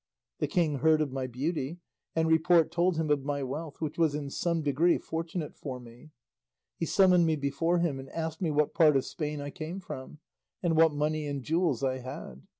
The king heard of my beauty, and report told him of my wealth, which was in some degree fortunate for me. He summoned me before him, and asked me what part of Spain I came from, and what money and jewels I had.